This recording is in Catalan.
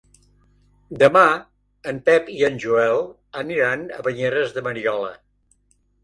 Demà en Pep i en Joel aniran a Banyeres de Mariola.